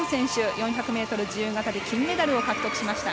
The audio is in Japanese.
４００ｍ自由形で金メダルを獲得しました。